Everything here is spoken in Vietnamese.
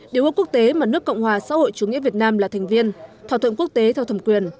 điều ước quốc tế mà nước cộng hòa xã hội chủ nghĩa việt nam là thành viên thỏa thuận quốc tế theo thẩm quyền